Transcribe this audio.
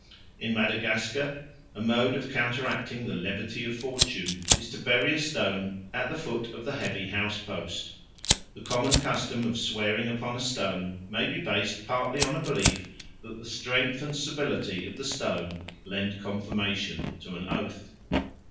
In Madagascar a mode of counteracting the levity of fortune is to bury a stone at the foot of the heavy house post. The common custom of swearing upon a stone may be based partly on a belief that the strength and stability of the stone lend confirmation to an oath.